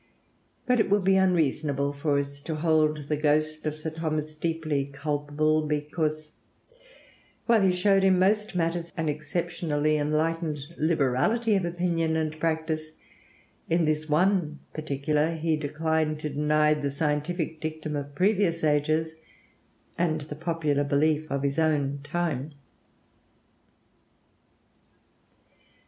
But it would be unreasonable for us to hold the ghost of Sir Thomas deeply culpable because, while he showed in most matters an exceptionally enlightened liberality of opinion and practice, in this one particular he declined to deny the scientific dictum of previous ages and the popular belief of his own time.